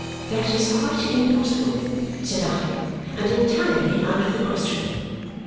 "That is quite impossible," said I, "and entirely out of the question."